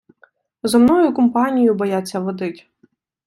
Зо мною кумпанію бояться водить.